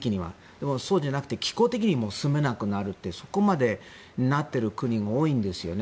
でも、そうじゃなくて気候的にも住めなくなるってそこまでなっている国も多いんですよね。